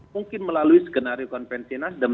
mungkin melalui skenario konvensi nasdem